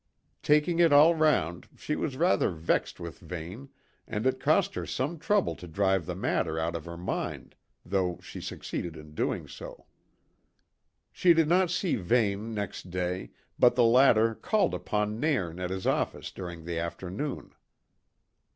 Taking it all round, she was rather vexed with Vane, and it cost her some trouble to drive the matter out of her mind, though she succeeded in doing so. She did not see Vane next day, but the latter called upon Nairn at his office during the afternoon.